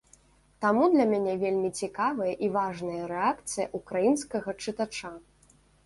Таму для мяне вельмі цікавая і важная рэакцыя ўкраінскага чытача.